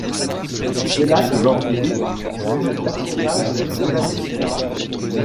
C'est là que Jean-Philippe crée le personnage quelques années plus tard.